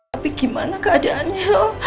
tapi gimana keadaannya